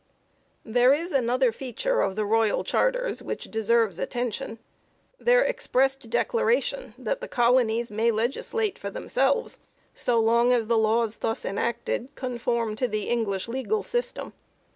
There is another feature of the royal charters which deserves attention ; their expressed declaration that the colonies may legislate for themselves so long as the laws thus enacted conform to the English legal system.